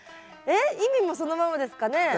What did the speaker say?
えっ意味もそのままですかね？